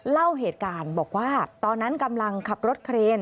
เล่าเหตุการณ์บอกว่าตอนนั้นกำลังขับรถเครน